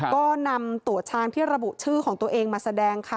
ก็นำตัวช้างที่ระบุชื่อของตัวเองมาแสดงค่ะ